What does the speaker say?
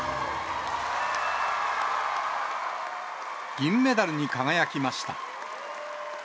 銀メダルに輝きました。